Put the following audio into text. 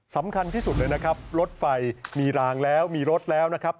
สำคัญที่สุดเลยนะครับรถไฟมีรางแล้วมีรถแล้วนะครับ